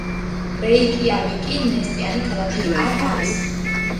რეიკიავიკი ნესტიანი ქალაქი არ არის.